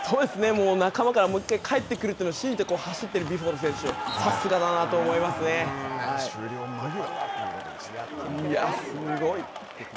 もう仲間からもう一回返ってくるのを信じて、走っているビュフォード選手終了間際。